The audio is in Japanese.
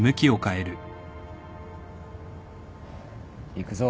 行くぞ。